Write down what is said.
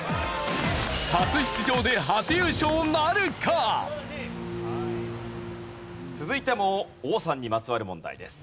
初出場で続いても王さんにまつわる問題です。